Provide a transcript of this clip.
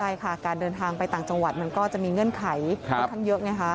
ใช่ค่ะการเดินทางไปต่างจังหวัดมันก็จะมีเงื่อนไขค่อนข้างเยอะไงคะ